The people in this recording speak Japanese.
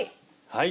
はい。